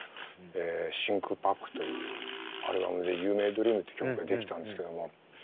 「真空パック」というアルバムで「ユーメイドリーム」っていう曲が出来たんですけども。